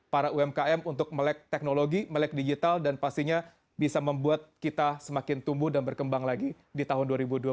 para umkm untuk melek teknologi melek digital dan pastinya bisa membuat kita semakin tumbuh dan berkembang lagi di tahun dua ribu dua puluh satu